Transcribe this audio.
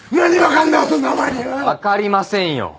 分かりませんよ。